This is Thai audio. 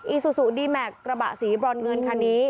อีซูซูดีแมคกระบะสีบรอดเงินคันนี้